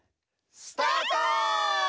スタート！